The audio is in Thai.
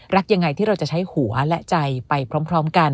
รักยังไงที่เราจะใช้หัวและใจไปพร้อมกัน